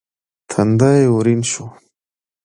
تندی يې ورين شو.